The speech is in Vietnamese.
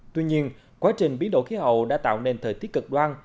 tuy nhiên quá trình biến đổi khí hậu đã tạo nên thời tiết cực đoan